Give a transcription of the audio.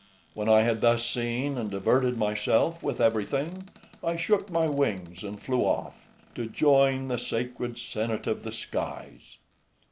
When I had thus seen and diverted myself with everything, I shook my wings and flew off, "To join the sacred senate of the skies."